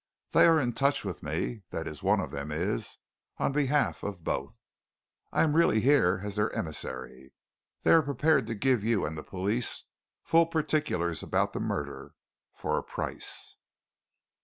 They are in touch with me that is, one of them is, on behalf of both. I am really here as their emissary. They are prepared to give you and the police full particulars about the murder for a price."